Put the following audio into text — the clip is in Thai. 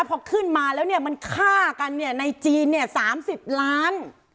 พอขึ้นมาแล้วเนี่ยมันฆ่ากันเนี่ยในจีนเนี่ย๓๐ล้าน